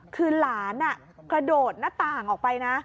คือหลานกระโดดหน้าต่างออกไปนะ